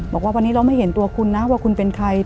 บอกว่าวันนี้เราไม่เห็นตัวคุณนะว่าคุณเป็นใคร